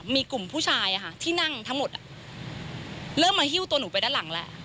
มีกลุ่มผู้ชายที่นั่งทั้งหมดเริ่มมาหิ้วตัวหนูไปด้านหลังแล้ว